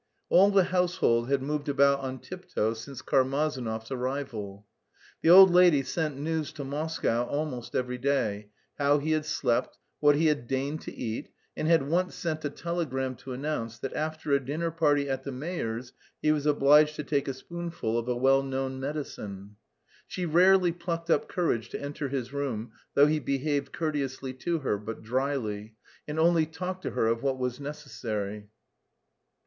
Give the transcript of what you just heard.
All the household had moved about on tiptoe since Karmazinov's arrival. The old lady sent news to Moscow almost every day, how he had slept, what he had deigned to eat, and had once sent a telegram to announce that after a dinner party at the mayor's he was obliged to take a spoonful of a well known medicine. She rarely plucked up courage to enter his room, though he behaved courteously to her, but dryly, and only talked to her of what was necessary.